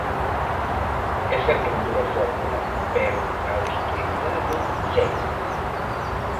É certo que mudou a fórmula, pero a austeridade segue.